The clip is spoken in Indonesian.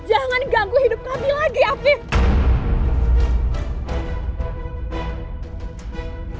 jangan ganggu hidup kami lagi afif